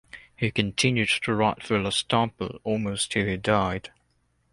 He continued to write for La Stampa almost till he died.